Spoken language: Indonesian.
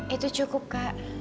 itu cukup kak